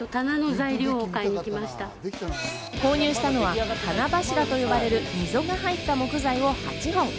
購入したのは棚柱と呼ばれる溝が入った木材を８本。